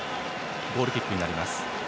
ゴールキックになりました。